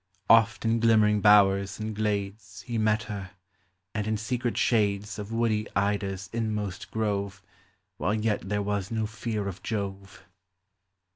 Oft in glimmering bowers and glades He met her, and in secret shades Of woody Ida's inmost grove, While yet there was no fear of Jove.